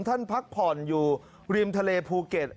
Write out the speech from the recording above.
พักผ่อนอยู่ริมทะเลภูเก็ต